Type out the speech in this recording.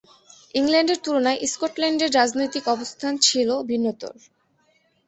ইংল্যান্ডের তুলনায় স্কটল্যান্ডের রাজনৈতিক অবস্থান ছিল ভিন্নতর।